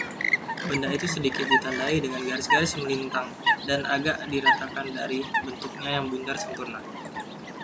Benda itu sedikit ditandai dengan garis-garis melintang dan agak diratakan dari bentuknya yang bundar sempurna.